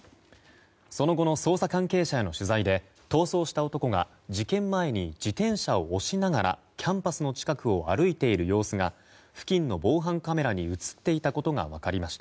その後の捜査関係者への取材で逃走した男が事件前に自転車を押しながらキャンパスの近くを歩いている様子が付近の防犯カメラに映っていたことが分かりました。